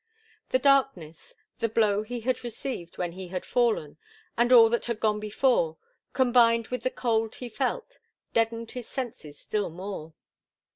The darkness, the blow he had received when he had fallen and all that had gone before, combined with the cold he felt, deadened his senses still more.